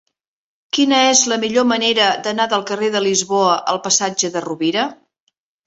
Quina és la millor manera d'anar del carrer de Lisboa al passatge de Rovira?